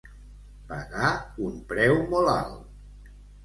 Pagar un preu molt alt.